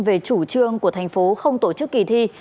về chủ trương của thành phố không tổ chức kỳ thi